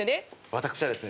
私はですね